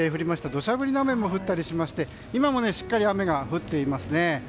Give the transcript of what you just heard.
土砂降りの雨も降ったりしまして今もしっかり雨が降っていますね。